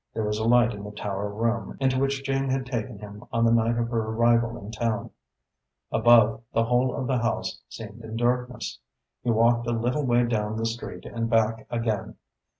There was a light in the lower room into which Jane had taken him on the night of her arrival in town. Above, the whole of the house seemed in darkness. He walked a little way down the street and back again.